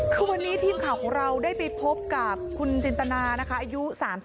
คือวันนี้ทีมข่าวของเราได้ไปพบกับคุณจินตนานะคะอายุ๓๒